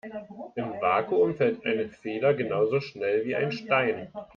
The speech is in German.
Im Vakuum fällt eine Feder genauso schnell wie ein Stein.